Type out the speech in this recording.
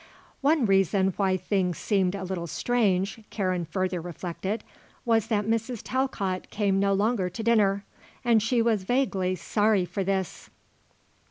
One reason why things seemed a little strange, Karen further reflected, was that Mrs. Talcott came no longer to dinner; and she was vaguely sorry for this.